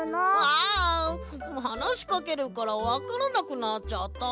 あはなしかけるからわからなくなっちゃった。